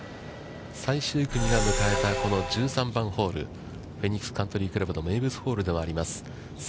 最終組が迎えたこの１３番ホール、フェニックスカントリークラブの名物ホールではあります。